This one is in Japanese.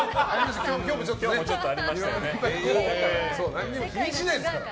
何も気にしないですから。